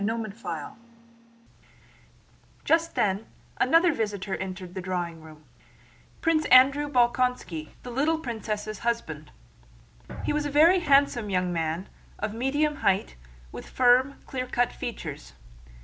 CHAPTER IV Just then another visitor entered the drawing room: Prince Andrew Bolkónski, the little princess' husband. He was a very handsome young man, of medium height, with firm, clearcut features.